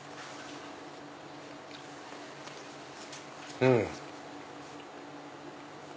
うん。